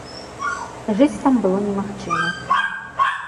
Жыць там было немагчыма.